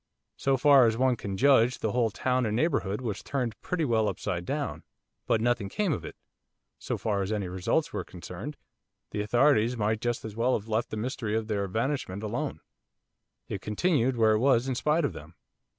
So far as one can judge the whole town and neighbourhood was turned pretty well upside down. But nothing came of it, so far as any results were concerned, the authorities might just as well have left the mystery of their vanishment alone. It continued where it was in spite of them.